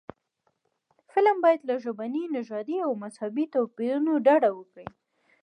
فلم باید له ژبني، نژادي او مذهبي توپیرونو ډډه وکړي